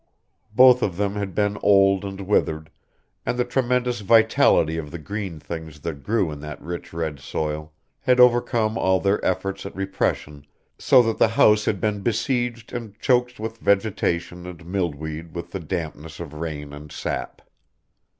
Both of them had been old and withered, and the tremendous vitality of the green things that grew in that rich red soil had overcome all their efforts at repression so that the house had been besieged and choked with vegetation and mildewed with the dampness of rain and sap.